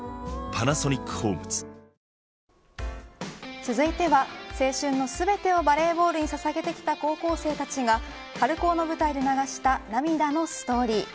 続いては、青春の全てをバレーボールにささげてきた高校生たちが春高の舞台で流した涙のストーリー。